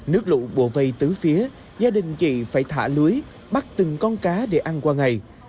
nước lũ bộ vây từ phía gia đình chị phải thả lưới bắt từng con cá để ăn qua ngày